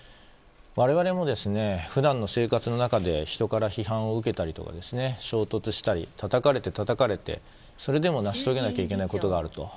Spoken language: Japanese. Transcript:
我々も、普段の生活の中で人から批判を受けたりとか衝突したりたたかれて、たたかれてそれでも成し遂げなければいけないことがあると。